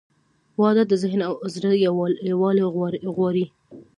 • واده د ذهن او زړه یووالی غواړي.